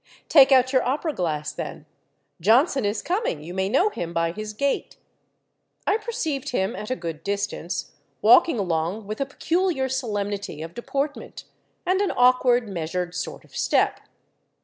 'Take out your opera glass then: Johnson is coming, you may know him by his gait.' I perceived him at a good distance, walking along with a peculiar solemnity of deportment, and an awkward, measured sort of step.